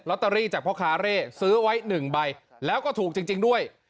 ตอรี่จากพ่อคาเร่ซื้อไว้๑ใบแล้วก็ถูกจริงด้วย